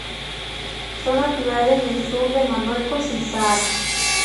Son naturales del sur de Marruecos y Sahara.